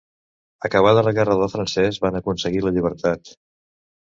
Acabada la Guerra del francès, van aconseguir la llibertat.